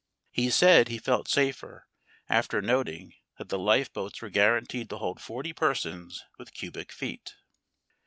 He said he felt safer after noting that the lifeboats were guaranteed to hold forty persons with cubic feet.